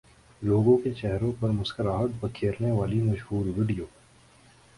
لوگوں کے چہروں پر مسکراہٹ بکھیرنے والی مشہور ویڈیو